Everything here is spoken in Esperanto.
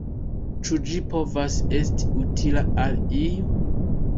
Ĉu ĝi povas esti utila al iu?